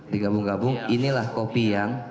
digabung gabung inilah kopi yang